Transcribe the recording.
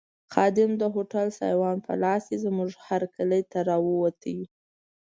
خادم د هوټل سایوان په لاس زموږ هرکلي ته راووت.